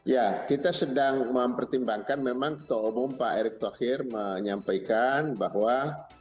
ya kita sedang mempertimbangkan memang ketua umum pak erick thohir menyampaikan bahwa